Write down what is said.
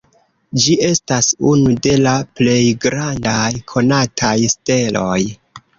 Ĝi estas unu de la plej grandaj konataj steloj.